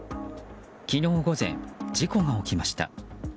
昨日午前、事故が起きました。